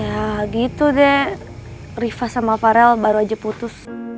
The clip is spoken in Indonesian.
ya gitu deh rifa sama farel baru aja putus